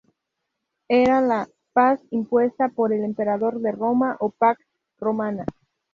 Era la "paz impuesta por el emperador de Roma" o "Pax Romana".